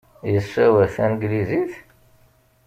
Yessawal tanglizit?